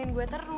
aku mau ke rumah